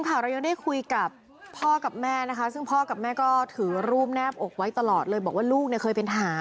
กับเมืองไว้เลย